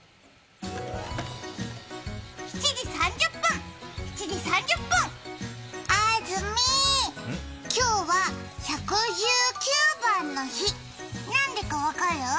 ７時３０分、７時３０分、あーずみー、今日は１１９番の日、何でか分かる？